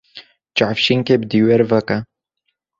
Çavşînkê bi dîwêr veke.